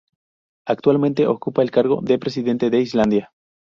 Actualmente ocupa el cargo de Presidente de Islandia.